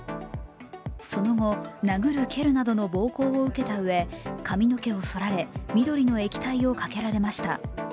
その後、殴る蹴るなどの暴行を受けたうえ髪の毛をそられ、緑の液体をかけられました。